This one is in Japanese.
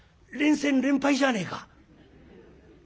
連戦連敗じゃねえか」。